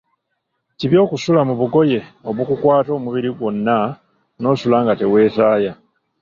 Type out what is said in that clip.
Kibi okusula mu bugoye obukukukwata omubiri gwonna nosula nga teweetaaya.